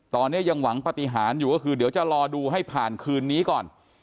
ตอนนี้ยังหวังปฏิหารอยู่ก็คือเดี๋ยวจะรอดูให้ผ่านคืนนี้ก่อน